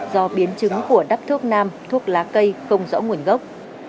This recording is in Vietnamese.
do biến chứng của đắp thuốc nam thuốc lá cây không rõ nguồn gốc